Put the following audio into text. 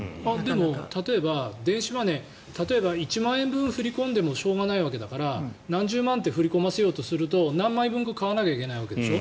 例えば電子マネー１万円分振り込んでもしょうがないわけだから何十万って振り込ませようとすると何枚分か買わなきゃいけないわけでしょ。